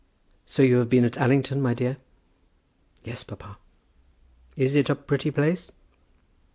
"So you have been at Allington, my dear?" "Yes, papa." "Is it a pretty place?"